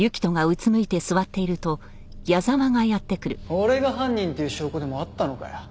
俺が犯人っていう証拠でもあったのかよ？